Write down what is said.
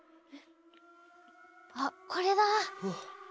あっこれだ。